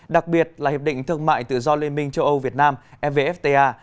đặc biệt là hiệp định thương mại tự do liên minh châu âu việt nam evfta